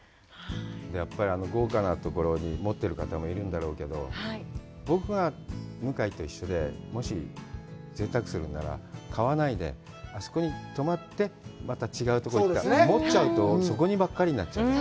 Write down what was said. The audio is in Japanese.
やっぱり、あの豪華なところを持ってる方もいるんだろうけど、僕が向井と一緒でもしぜいたくするんなら、買わないで、あそこに泊まって、また違うとこ行って、持っちゃうとそこばっかりになっちゃう。